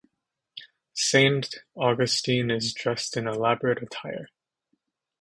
Saint Augustine is dressed in elaborate attire.